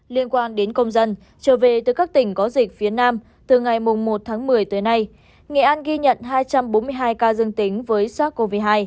liên quan đến công dân trở về từ các tỉnh có dịch phía nam từ ngày một tháng một mươi tới nay nghệ an ghi nhận hai trăm bốn mươi hai ca dương tính với sars cov hai